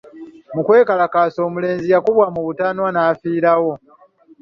Mu kwekalakaasa omulenzi yakubwa mu butanwa n'afiirawo.